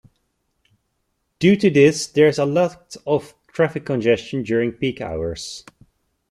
Due to this there is a lot of traffic congestion during peak hours.